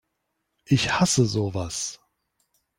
Ich hasse sowas!